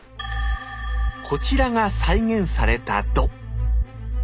こちらが再現された弩。